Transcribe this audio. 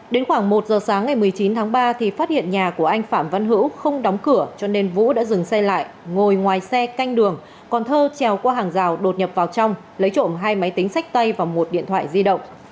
đến khoảng một giờ sáng ngày một mươi chín tháng ba thì phát hiện nhà của anh phạm văn hữu không đóng cửa cho nên vũ đã dừng xe lại ngồi ngoài xe canh đường còn thơ treo qua hàng rào đột nhập vào trong lấy trộm hai máy tính sách tay và một điện thoại di động